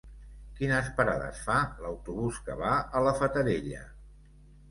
Quines parades fa l'autobús que va a la Fatarella?